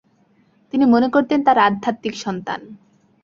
তিনি মনে করতেন তার আধ্যাত্মিক সন্তান।